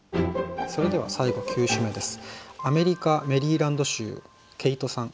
それでは最後９首目です。